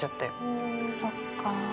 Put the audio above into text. そっか。